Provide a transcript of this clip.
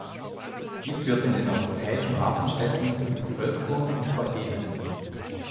Dies führte in den europäischen Hafenstädten zu Übervölkerung und Verelendung.